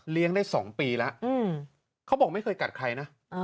เลี้ยงได้สองปีละอืมเขาบอกไม่เคยกัดใครน่ะอ๋อ